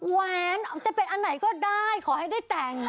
แหวนจะเป็นอันไหนก็ได้ขอให้ได้แต่ง